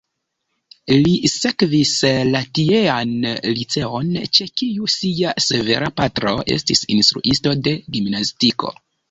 Li sekvis la tiean liceon, ĉe kiu sia severa patro estis instruisto de gimnastiko.